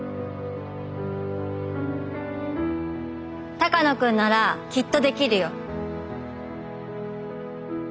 鷹野君ならきっとできるよ。